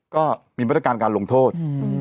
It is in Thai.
ก็มีมาตรการการลงโทษ